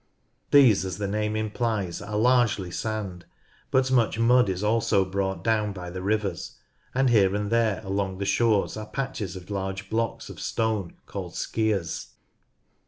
These, as the name implies, are largely sand, but much mud is also brought down by the rivers, and here and there along the shores are patches of large blocks of stone called skears.